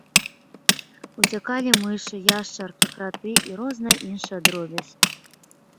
Уцякалі мышы, яшчаркі, краты і розная іншая дробязь.